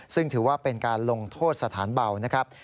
ซึ่งถือว่าเป็นการลงโทษสถานเบานะครับ